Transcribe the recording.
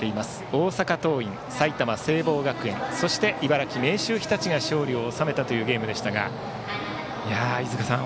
大阪桐蔭、埼玉・聖望学園そして茨城・明秀日立が勝利を収めたというゲームでしたが飯塚さん